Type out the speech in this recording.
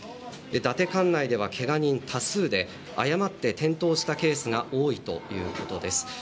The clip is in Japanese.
だて管内ではけが人多数で誤って転倒したケースが多いということです。